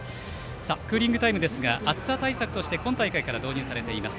さて、クーリングタイムですが暑さ対策として今大会から導入されています。